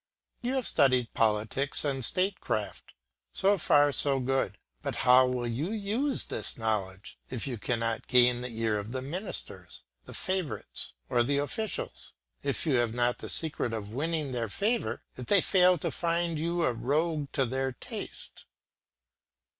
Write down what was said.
You have studied politics and state craft, so far so good; but how will you use this knowledge, if you cannot gain the ear of the ministers, the favourites, or the officials? if you have not the secret of winning their favour, if they fail to find you a rogue to their taste?